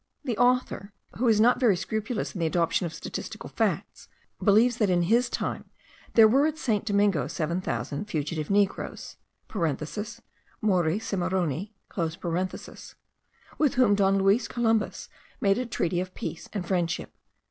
The author, who is not very scrupulous in the adoption of statistical facts, believes that in his time there were at St. Domingo seven thousand fugitive negroes (Mori cimaroni), with whom Don Luis Columbus made a treaty of peace and friendship.)